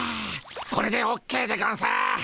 これでオッケーでゴンス。